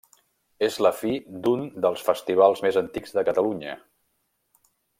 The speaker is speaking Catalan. És la fi d'un dels festivals més antics de Catalunya.